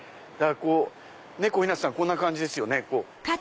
ねぇ小日向さんこんな感じですよね。